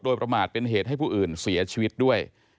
โดยประมาทเป็นเหตุให้ผู้อื่นเสียชีวิตด้วย